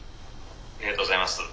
「ありがとうございます。